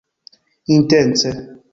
intence